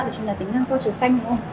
chính là tính năng co trường xanh đúng không